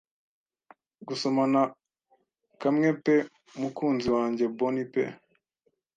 "Gusomana kamwe pe mukunzi wanjye bonny pe